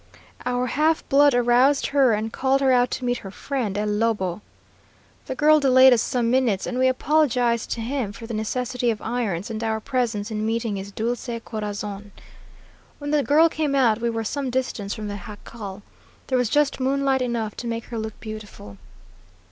Our half blood aroused her and called her out to meet her friend, El Lobo. The girl delayed us some minutes, and we apologized to him for the necessity of irons and our presence in meeting his Dulce Corazon. When the girl came out we were some distance from the jacal. There was just moonlight enough to make her look beautiful.